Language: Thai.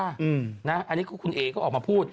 อันนี้คือคุณเอก็ออกมาพูด